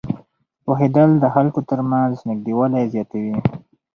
پوهېدل د خلکو ترمنځ نږدېوالی زیاتوي.